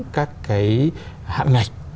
các cái hạn ngạch